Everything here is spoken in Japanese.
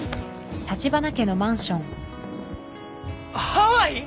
ハワイ！？